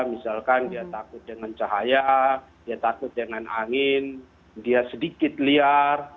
misalkan dia takut dengan cahaya dia takut dengan angin dia sedikit liar